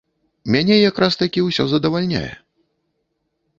Мяне якраз-такі ўсё задавальняе.